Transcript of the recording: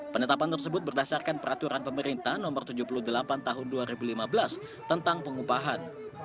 penetapan tersebut berdasarkan peraturan pemerintah no tujuh puluh delapan tahun dua ribu lima belas tentang pengupahan